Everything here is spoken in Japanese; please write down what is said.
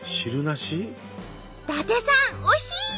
伊達さん惜しい！